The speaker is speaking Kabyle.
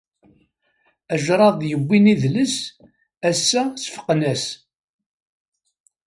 Ajraḍ yebbin idles, ass-a sefqen-as